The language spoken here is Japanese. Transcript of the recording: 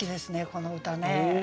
この歌ね。